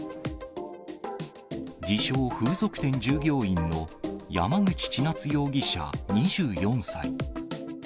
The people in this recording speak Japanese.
自称、風俗店従業員の山口稚夏容疑者２４歳。